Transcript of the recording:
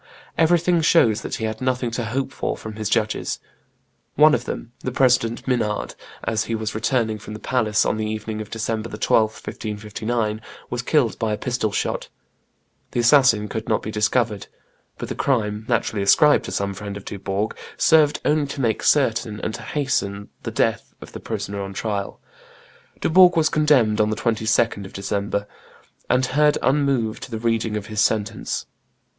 Everything shows that he had nothing to hope for from his judges; one of them, the President Minard, as he was returning from the palace on the evening of December 12, 1559, was killed by a pistol shot; the assassin could not be discovered; but the crime, naturally ascribed to some friend of Dubourg, served only to make certain and to hasten the death of the prisoner on trial. Dubourg was condemned on the 22d of December, and heard unmoved the reading of his sentence.